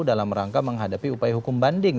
dalam rangka menghadapi upaya hukum banding